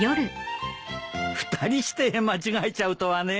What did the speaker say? ２人して間違えちゃうとはね。